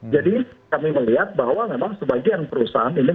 jadi kami melihat bahwa memang sebagian perusahaan ini melakukan